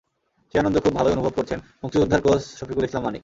সেই আনন্দ খুব ভালোই অনুভব করছেন মুক্তিযোদ্ধার কোচ শফিকুল ইসলাম মানিক।